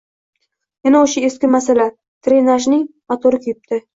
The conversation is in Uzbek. Yana oʻsha eski masala – drenajning motori kuyibdi.